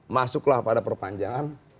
masuklah pada perpanjangan